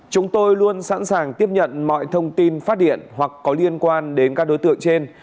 chúng tôi luôn sẵn sàng tiếp nhận mọi thông tin phát điện hoặc có liên quan đến các đối tượng trên